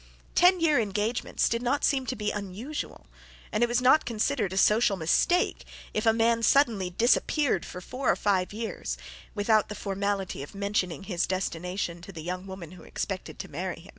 Ten year engagements did not seem to be unusual, and it was not considered a social mistake if a man suddenly disappeared for four or five years, without the formality of mentioning his destination to the young woman who expected to marry him.